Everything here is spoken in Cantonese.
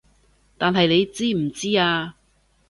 但係你知唔知啊